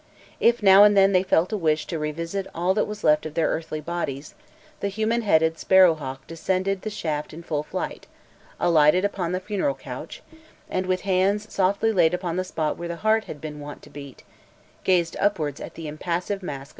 If now and then they felt a wish to revisit all that was left of their earthly bodies, the human headed sparrow hawk descended the shaft in full flight, alighted upon the funeral couch, and, with hands softly laid upon the spot where the heart had been wont to beat, gazed upwards at the impassive mask of the mummy.